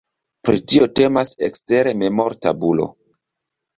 Pri tio temas ekstere memortabulo.